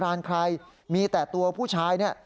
ร้านใครมีแต่ตัวผู้ชายเนี่ย